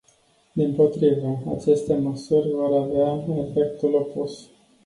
Dimpotrivă, aceste măsuri vor avea efectul opus.